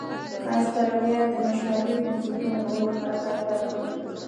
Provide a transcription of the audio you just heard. اسټرالیا د مشابه بنسټونو په لور حرکت پیل کړ.